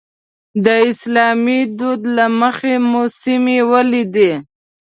د اسلامي دود له مخې مو سیمې ولیدې.